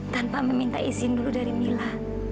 tanpa meminta izin dulu dari mila